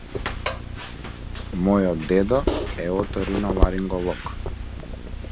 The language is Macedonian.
Мојот дедо е оториноларинголог.